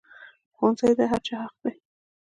ښوونځی د هر چا حق دی